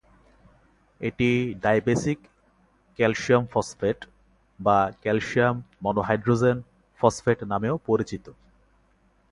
এটি dibasic calcium phosphate বা calcium monohydrogen phosphate নামেও পরিচিত।